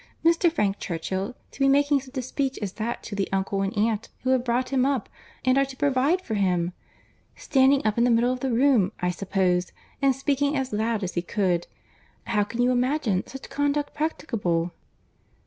Mr. Frank Churchill to be making such a speech as that to the uncle and aunt, who have brought him up, and are to provide for him!—Standing up in the middle of the room, I suppose, and speaking as loud as he could!—How can you imagine such conduct practicable?"